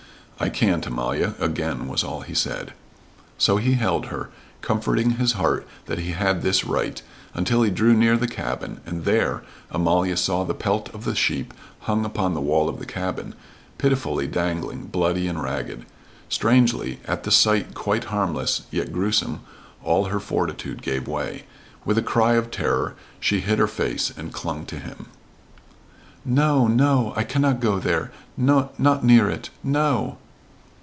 "I can't, Amalia," again was all he said. So he held her, comforting his heart that he had this right, until he drew near the cabin, and there Amalia saw the pelt of the sheep hung upon the wall of the cabin, pitifully dangling, bloody and ragged. Strangely, at the sight quite harmless, yet gruesome, all her fortitude gave way. With a cry of terror she hid her face and clung to him. "No, no. I cannot go there not near it no!"